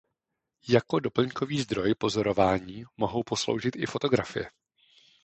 Jako doplňkový zdroj pozorování mohou posloužit i fotografie.